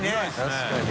確かに。